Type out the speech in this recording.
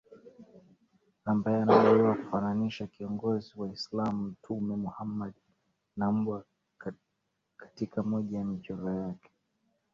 ambaye anadaiwa kufananisha kiongozi waislaam mtume muhamad na mbwa katika moja ya michoro yake